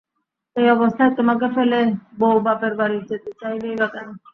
এই অবস্থায় তোমাকে ফেলে বউ বাপের বাড়ি যেতে চাইবেই বা কেন।